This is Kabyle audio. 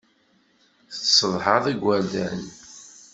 Tessedhaḍ igerdan.